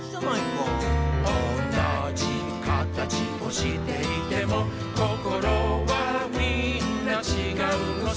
「おんなじ形をしていても」「心はみんなちがうのさ」